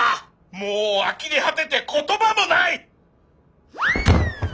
もうあきれ果てて言葉もない！